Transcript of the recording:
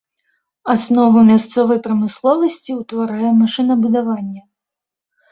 Аснову мясцовай прамысловасці ўтварае машынабудаванне.